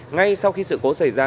ngay sau khi sự cố xảy ra